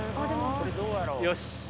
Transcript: よし。